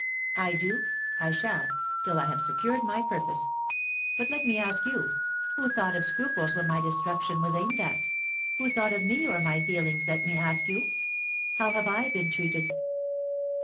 I do I shall, till I have secured my purpose. But let me ask you, Who thought of scruples when my destruction was aimed at? Who thought of me or my feelings, let me ask you? How have I been treated?"